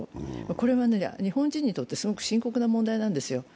これは日本人にとってすごく深刻な問題なんですよ。